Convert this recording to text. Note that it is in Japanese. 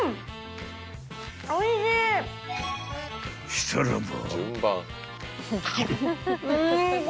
［したらば］